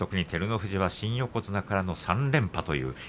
照ノ富士は特に新横綱からの３連覇。